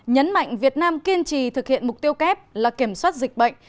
nhấn mạnh việt nam kiên trì thực hiện mục tiêu kép là kiểm soát dịch bệnh